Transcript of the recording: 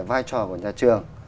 vai trò của nhà trường